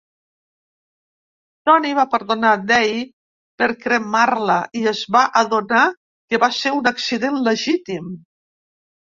Toni va perdonar Del per cremar-la i es va adonar que va ser un accident legítim.